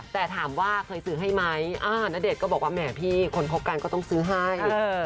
แต่ถามว่าเคยซื้อให้ไหมณเดชน์ก็บอกว่าแหมพี่คนคบกันก็ต้องซื้อให้